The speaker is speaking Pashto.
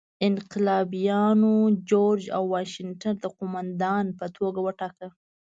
انقلابیانو جورج واشنګټن د قوماندان په توګه وټاکه.